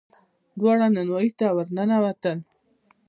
دواړه نانوايي ته ور ننوتل.